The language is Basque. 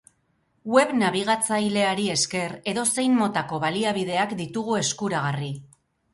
Web nabigatzaileari esker, edozein motako baliabideak ditugu eskuragarri.